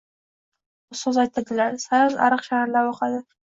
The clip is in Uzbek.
Ustoz aytadilar: “Sayoz ariq sharillab oqadi.